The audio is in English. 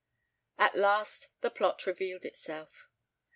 At last the plot revealed itself.